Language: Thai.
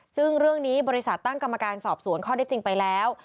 ซึ่งเรื่องนี้บริษัทตั้งกรรมการสอบสวนข้อได้จริงไปแล้ว